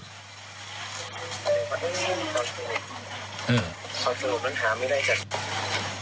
ความสงบมันหาไม่ได้กัน